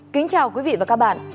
kính chào quý vị và các bạn